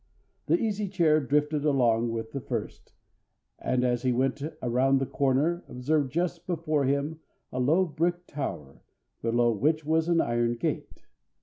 The Easy Chair drifted along with the first, and as he went around the corner observed just before him a low brick tower, below which was an iron gate.